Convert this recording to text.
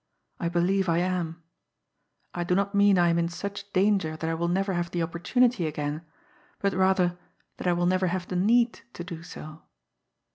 I believe I am. I do not mean I am in such danger that I will never have the opportunity again; but, rather, that I will never have the need to do so.